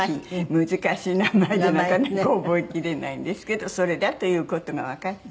難しい名前でなかなか覚えきれないんですけどそれだという事がわかって。